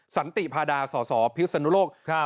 สันติพาดาส่อพิศนุโลกครับ